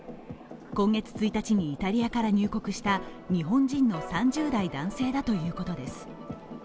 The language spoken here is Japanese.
今月１日にイタリアから入国した日本人の３０代男性だということです。